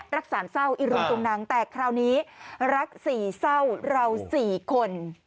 รักษาเศร้าอิรุงตุงนังแต่คราวนี้รักสี่เศร้าเรา๔คน